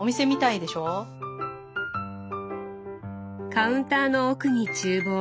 カウンターの奥に厨房。